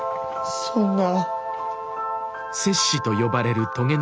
そんな。